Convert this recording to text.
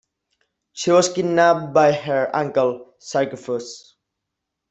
She was kidnapped by her uncle, Cercaphus.